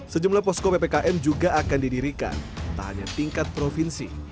sejumlah posko ppkm juga akan didirikan tak hanya tingkat provinsi